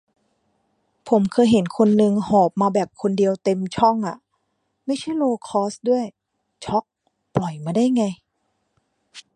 ผมเคยเห็นคนนึงหอบมาแบบคนเดียวเต็มช่องอะ ไม่ใช่โลว์คอสต์ด้วย ช็อก ปล่อยมาได้ไง